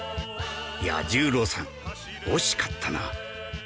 彌十郎さん惜しかったな